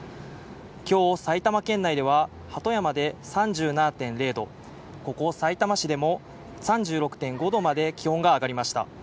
今日、埼玉県内では鳩山で３７．０度、ここ、さいたま市でも３６．５度まで気温が上がりました。